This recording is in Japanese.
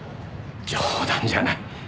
冗談じゃない。